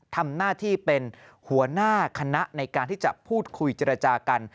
ทำหน้าที่เป็นหัวหน้าคณะในการที่จะพูดคุยเจรจากัน